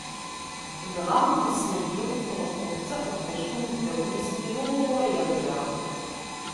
Dɣa yessen-d yiwet n tmeṭṭut, d taqeddact n umdakel-is Milu uɣur yerza.